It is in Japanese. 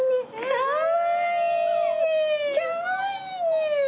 かわいいねえ！